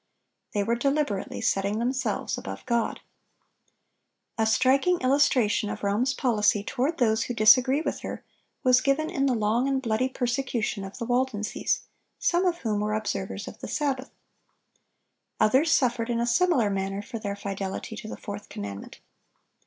They were deliberately setting themselves above God. A striking illustration of Rome's policy toward those who disagree with her was given in the long and bloody persecution of the Waldenses, some of whom were observers of the Sabbath. Others suffered in a similar manner for their fidelity to the fourth commandment.